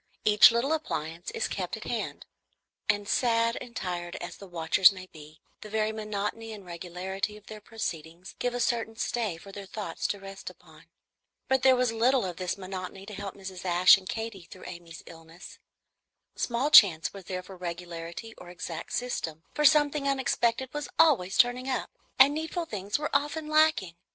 Each little appliance is kept at hand; and sad and tired as the watchers may be, the very monotony and regularity of their proceedings give a certain stay for their thoughts to rest upon. But there was little of this monotony to help Mrs. Ashe and Katy through with Amy's illness. Small chance was there for regularity or exact system; for something unexpected was always turning up, and needful things were often lacking.